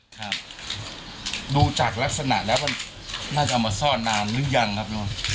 ครับดูจากลักษณะแล้วมันน่าจะเอามาซ่อนนานหรือยังครับน้อง